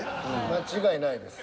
間違いないです。